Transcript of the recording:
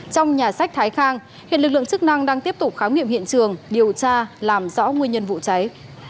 trong nhà sách thái khang hiện lực lượng chức năng đang tiếp tục khám nghiệm hiện trường điều tra làm rõ nguyên nhân vụ cháy